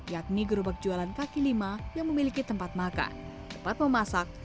yakni gerobak jualan kaki lima yang memiliki tempat makan tempat memasak